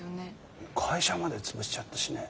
会社までつぶしちゃったしね。